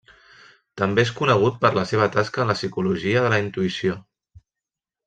També és conegut per la seva tasca en la psicologia de la intuïció.